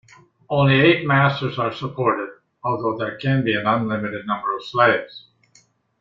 Only eight masters are supported, although there can be an unlimited number of slaves.